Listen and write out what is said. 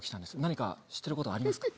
何か知ってることはありますか？